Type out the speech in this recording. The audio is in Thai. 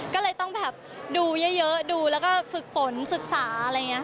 ก็เลยต้องแบบดูเยอะดูแล้วก็ฝึกฝนศึกษาอะไรอย่างนี้